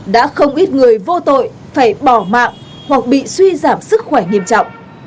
đã không ít người vô tội phải bỏ mạng hoặc bị suy giảm sức khỏe nghiêm trọng